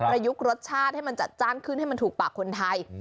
ยุครสชาติให้มันจัดจ้านขึ้นให้มันถูกปากคนไทย